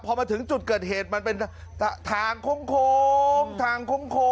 พอมาถึงจุดเกิดเหตุมันเป็นถ่างโค้ง